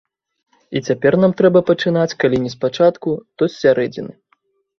І цяпер нам трэба пачынаць калі не з пачатку, то з сярэдзіны.